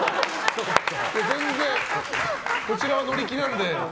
全然こちらは乗り気なので。